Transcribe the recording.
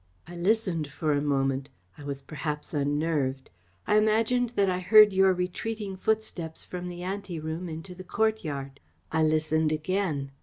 I listened for a moment. I was perhaps unnerved. I imagined that I heard your retreating footsteps from the anteroom into the courtyard. I listened again.